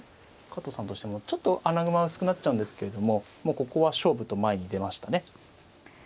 加藤さんとしてもちょっと穴熊は薄くなっちゃうんですけれどももうここは勝負と前に出ましたね。